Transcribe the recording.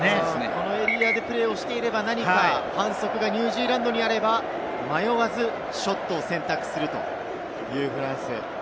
このエリアでプレーをしていれば、反則がニュージーランドにあれば、迷わずショットを選択するというフランス。